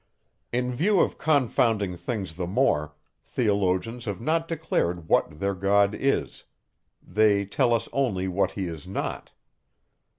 In view of confounding things the more, theologians have not declared what their God is; they tell us only what he is not.